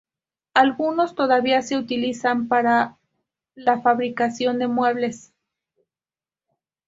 Algunos todavía se utiliza para la fabricación de muebles.